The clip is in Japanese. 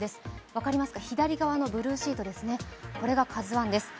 分かりますか、左側のブルーシートですね、これが「ＫＡＺＵⅠ」です。